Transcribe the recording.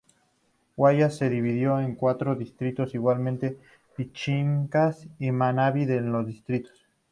Guayas se dividió en cuatro distritos, igualmente Pichincha y Manabí en dos distritos.